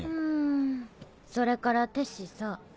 んそれからテッシーさぁ。